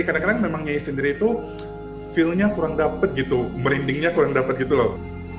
kadang kadang memang yey sendiri itu feelnya kurang dapet gitu merindingnya kurang dapat gitu loh